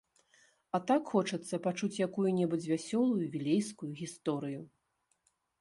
А так хочацца пачуць якую-небудзь вясёлую вілейскую гісторыю!